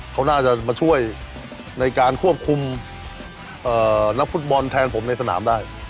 เขาน่าจะมาช่วยในการควบคุมนักฟุตบอลแทนผมในสนามได้